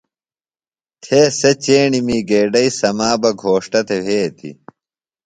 تھے سےۡ چیݨیمی گیڈئیۡ سما بہ گھوݜٹہ تھےۡ وھیتیۡ۔